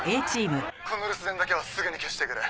「この留守電だけはすぐに消してくれ」